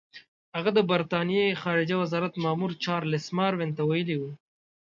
هغه د برټانیې خارجه وزارت مامور چارلس ماروین ته ویلي وو.